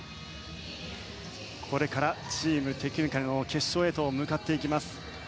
これからチームテクニカルの決勝へと向かっていきます。